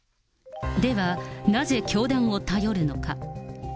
では、なぜ教団を頼るのか。